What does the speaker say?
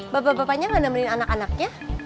bapak bapaknya gak nemenin anak anaknya